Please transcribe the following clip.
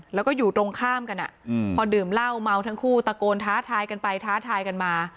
แล้วก็อยู่ตรงข้ามกันพอดื่มเหล้าเมาทั้งคู่ตะโกนท้าทายกันไปท้าทายกันมา